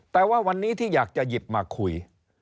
แต่ว่าวันนี้ที่อยากจะหยิบมาคุย